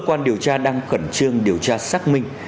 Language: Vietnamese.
cơ quan điều tra đang khẩn trương điều tra xác minh